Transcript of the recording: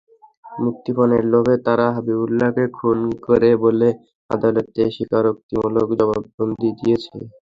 মুক্তিপণের লোভে তারা হাবিবুল্লাহকে খুন করে বলে আদালতে স্বীকারোক্তিমূলক জবানবন্দি দিয়েছে।